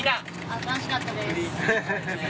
楽しかったです。